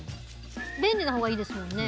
便利なほうがいいですよね。